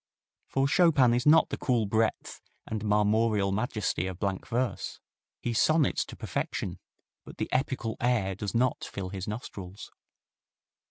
For Chopin is not the cool breadth and marmoreal majesty of blank verse. He sonnets to perfection, but the epical air does not fill his nostrils.